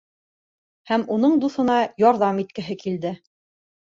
Һәм уның дуҫына ярҙам иткеһе килде.